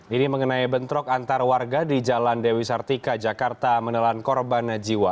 ini mengenai bentrok antar warga di jalan dewi sartika jakarta menelan korban jiwa